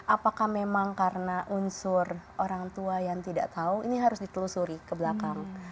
apakah memang karena unsur orang tua yang tidak tahu ini harus ditelusuri ke belakang